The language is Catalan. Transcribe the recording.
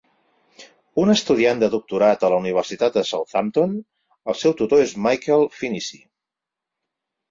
Un estudiant de doctorat a la Universitat de Southampton, el seu tutor és Michael Finnissy.